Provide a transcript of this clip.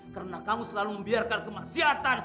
karena kamu selalu membiarkan kemasyiatan